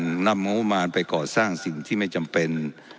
นำงบประมาณไปก่อสร้างสิ่งที่ไม่จำเป็น